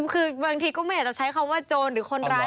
คือบางทีก็ไม่อยากจะใช้คำว่าโจรหรือคนร้าย